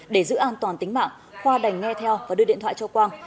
để giữ an toàn tính mạng khoa đành nghe theo và đưa điện thoại cho quang